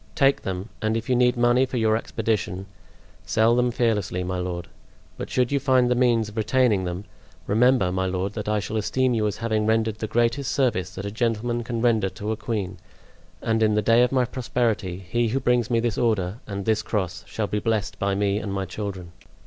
Take them, and if you need money for your expedition, sell them fearlessly, my lord. But should you find the means of retaining them, remember, my lord, that I shall esteem you as having rendered the greatest service that a gentleman can render to a queen; and in the day of my prosperity he who brings me this order and this cross shall be blessed by me and my children."